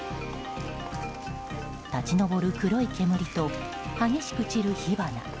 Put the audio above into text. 立ち上る黒い煙と激しく散る火花。